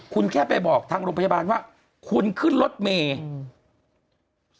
คุณแค่ไปบอกทางโรงพยาบาลว่าคุณขึ้นรถเมย์อืม